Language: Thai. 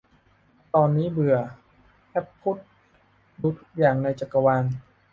ตอนนี้เบื่อ 'แอ๊บพุทธ' รู้ทุกอย่างในจักรวาล